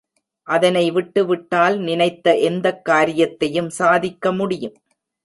அதனை விட்டுவிட்டால் நினைத்த எந்தக் காரியத்தையும் சாதிக்க முடியும்.